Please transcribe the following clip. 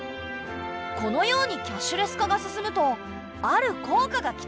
このようにキャッシュレス化が進むとある効果が期待できるんだって。